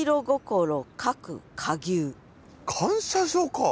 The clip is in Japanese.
感謝状か。